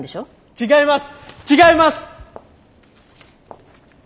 違います！